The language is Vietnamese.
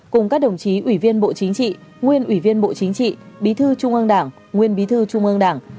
cùng các đồng chí ủy viên bộ chính trị nguyên ủy viên bộ chính trị bí thư trung ương đảng nguyên bí thư trung ương đảng